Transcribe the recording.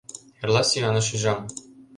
Эрла сӱаныш ӱжам.